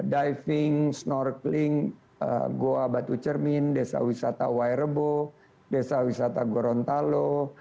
diving snorkeling goa batu cermin desa wisata wairebo desa wisata gorontalo